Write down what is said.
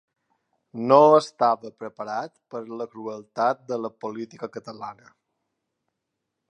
No estava preparat per a la crueltat de la política catalana.